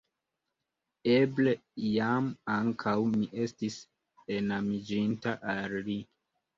Eble, iam, ankaŭ mi estis enamiĝinta al li.